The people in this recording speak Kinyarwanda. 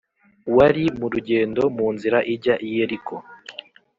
wari mu rugendo mu nzira ijya i Yeriko